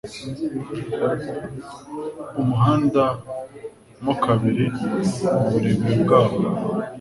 umuhanda mo kabiri mu burebure bwawo